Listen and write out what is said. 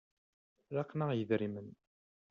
Laqen-aɣ yidrimen.